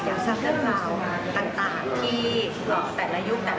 อยากสร้างเรื่องราวต่างที่แต่ละยุคแต่ละสมัยค่ะ